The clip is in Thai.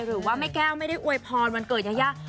หรือว่าแม่แก้วไม่ได้อวยพรวันเกิดยายา